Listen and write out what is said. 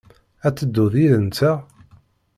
Ad tedduḍ yid-nteɣ?